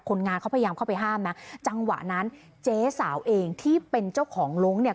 งานเขาพยายามเข้าไปห้ามนะจังหวะนั้นเจ๊สาวเองที่เป็นเจ้าของลงเนี่ย